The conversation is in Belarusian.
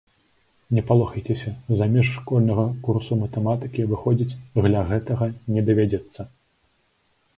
Не палохайцеся, за межы школьнага курсу матэматыкі выходзіць для гэтага не давядзецца.